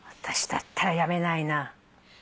私だったら辞めないな。